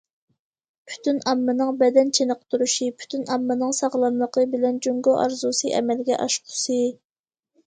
پۈتۈن ئاممىنىڭ بەدەن چېنىقتۇرۇشى، پۈتۈن ئاممىنىڭ ساغلاملىقى بىلەن جۇڭگو ئارزۇسى ئەمەلگە ئاشقۇسى.